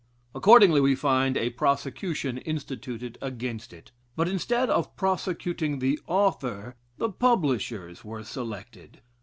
Accordingly, we find a prosecution instituted against it. But instead of prosecuting the author, the publishers were selected.